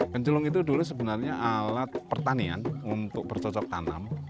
pencelung itu dulu sebenarnya alat pertanian untuk bercocok tanam